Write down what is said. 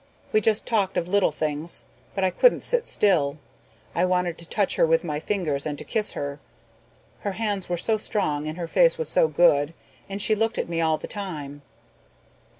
We just talked of little things, but I couldn't sit still. I wanted to touch her with my fingers and to kiss her. Her hands were so strong and her face was so good and she looked at me all the time."